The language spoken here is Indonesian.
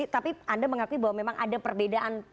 tapi anda mengakui bahwa memang ada perbedaan